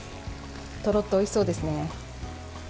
とろっと、おいしそうですね。